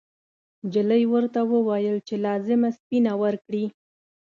نجلۍ ورته وویل چې لازمه سپینه ورکړي.